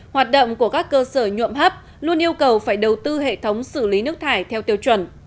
hoạt động của các cơ sở nhuộm hấp luôn yêu cầu phải đầu tư hệ thống xử lý nước thải theo tiêu chuẩn